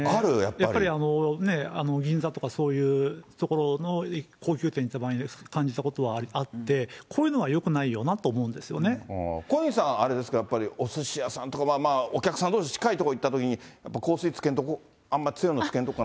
やっぱり銀座とかそういう所の高級店に行った場合に感じたことはあって、こういうのはよくな小西さん、あれですか、おすし屋さんとか、まあまあ、お客さんどうし、近い所行ったときに、やっぱ、香水つけんとこ、あんま強いのつけんとこって。